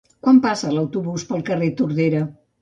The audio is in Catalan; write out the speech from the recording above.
Quan passa l'autobús pel carrer Tordera?